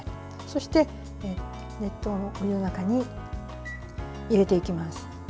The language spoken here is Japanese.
そして、熱湯の中に入れていきます。